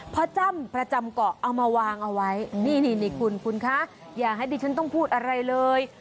จ้ำประจำเกาะเอามาวางเอาไว้นี่นี่คุณคุณคะอย่าให้ดิฉันต้องพูดอะไรเลย